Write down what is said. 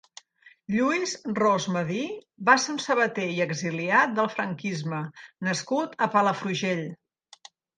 Lluís Ros Medir va ser un sabater i exiliat del franquisme nascut a Palafrugell.